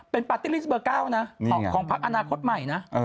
เป็นปาร์ตี้ลิสต์เบอร์๙นะของพักอนาคตใหม่นะ